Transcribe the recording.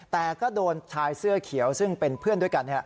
แต่ก็โดนชายเสื้อเขียวซึ่งเป็นเพื่อนด้วยกัน